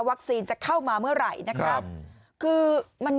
วัคซีนจะเข้ามาเมื่อไหร่